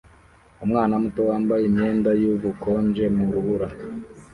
Umwana muto wambaye imyenda yubukonje mu rubura